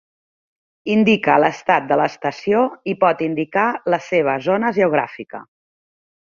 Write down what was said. Indica l'estat de l'estació i pot indicar la seva zona geogràfica.